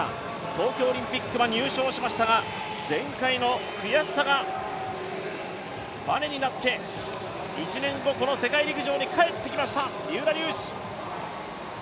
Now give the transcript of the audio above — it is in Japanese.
東京オリンピックは入賞しましたが前回の悔しさがバネになって１年後、この世界陸上に帰ってきました三浦龍司。